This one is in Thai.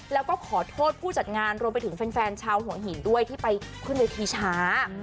แล้วก็ขอโทษผู้จัดงานรวมไปถึงแฟนชาวหัวหินด้วยที่ไปขึ้นเวทีช้า